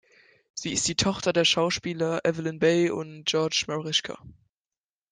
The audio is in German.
Sie ist die Tochter der Schauspieler Evelin Bey und Georg Marischka.